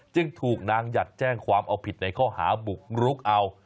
จึงถูกนางหยัดแจ้งความเอาผิดในข้อหาบุกรุกเอา